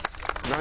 何？